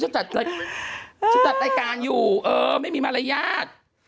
จัดฉันจัดรายการอยู่เออไม่มีมารยาท